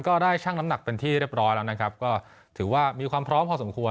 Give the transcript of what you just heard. ได้ชั่งน้ำหนักเป็นที่เรียบร้อยแล้วนะครับก็ถือว่ามีความพร้อมพอสมควร